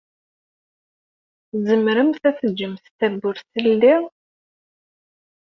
Tzemremt ad teǧǧemt tawwurt teldi?